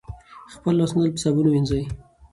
خپل لاسونه تل په صابون وینځئ.